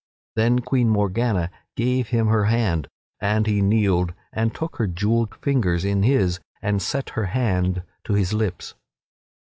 Then Queen Morgana gave him her hand, and he kneeled, and took her jewelled fingers in his and set her hand to his lips.